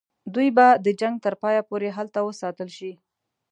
دوی به د جنګ تر پایه پوري هلته وساتل شي.